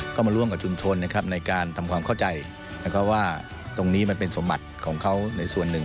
ก็มาร่วมกับชุมชนนะครับในการทำความเข้าใจว่าตรงนี้มันเป็นสมบัติของเขาในส่วนหนึ่ง